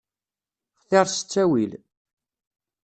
Xtiṛ s ttawil.